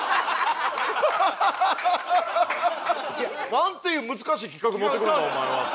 「なんていう難しい企画持ってくるんだお前は」って。